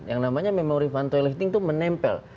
yang namanya memory fund toileting itu menempel